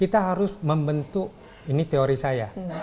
kita harus membentuk ini teori saya